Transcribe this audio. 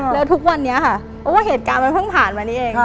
แล้วทุกวันนี้ค่ะโอ้เหตุการณ์มันเพิ่งผ่านมานี้เอง